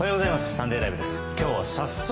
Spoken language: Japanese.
「サンデーＬＩＶＥ！！」